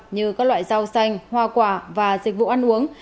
như các loại rau xanh hoa quả và dịch vụ ăn uống